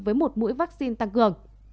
với một mũi vaccine tăng cường